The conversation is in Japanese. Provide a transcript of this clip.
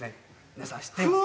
皆さん知っていますか？